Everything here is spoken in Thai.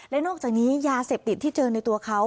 และนอกจากนี้ยาเสพติดที่เจอในตัวเขา